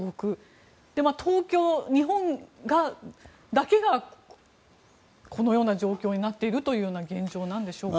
東京、日本だけがこのような状況になっているという現状なんでしょうか。